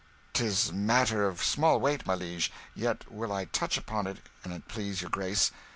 "'Tis matter of small weight, my liege, yet will I touch upon it, an' it please your Grace.